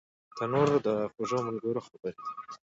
تنور د خوږو خبرو ملګری دی